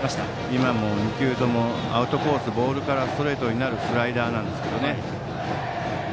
今、２球ともアウトコースでボールからストレートになるスライダーです。